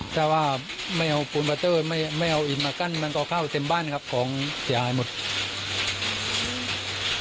แต่ว่าไม่เอาพูลปาร์เตอร์ไม่ไม่เอาอีกมากั้นมันต่อเข้าเต็มบ้านครับของเสียหายหมดอืม